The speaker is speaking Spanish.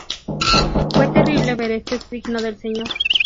Fue terrible ver este signo del Señor.